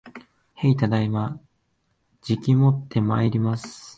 へい、ただいま。じきもってまいります